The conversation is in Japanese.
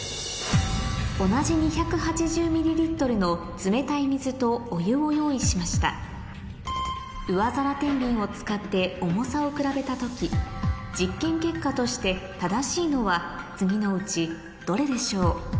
同じ２８０ｍの冷たい水とお湯を用意しました上皿てんびんを使って重さを比べた時実験結果として正しいのは次のうちどれでしょう？